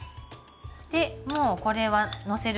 でもうこれはのせる